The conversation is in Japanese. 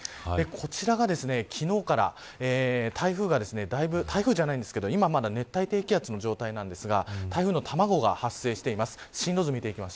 こちらが昨日から台風がだいぶ今、まだ熱帯低気圧の状態ですが台風の卵が発生しています。